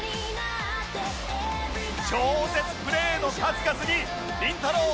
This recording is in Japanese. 超絶プレーの数々にりんたろー。